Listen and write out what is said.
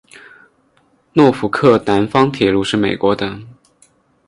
诺福克南方铁路是美国的。